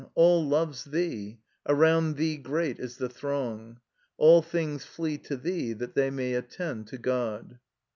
all loves thee; around thee great is the throng. All things flee to thee that they may attain to God."